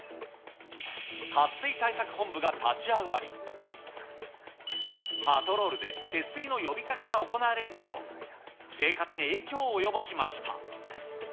渇水対策本部が立ち上がり、パトロールで節水の呼びかけが行われるなど、生活に影響を及ぼしました。